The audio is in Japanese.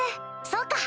そうか！